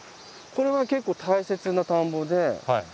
これは結構大切な田んぼで。